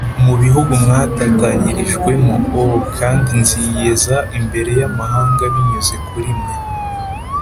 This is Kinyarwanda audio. Mu bihugu mwatatanyirijwemo o kandi nziyeza imbere y amahanga binyuze kuri mwe